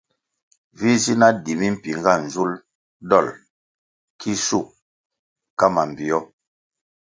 Vi zi na di mimpinga nzulʼ dolʼ ki shup ka mambpio.